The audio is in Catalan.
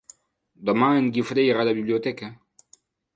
Demà en Guifré irà a la biblioteca.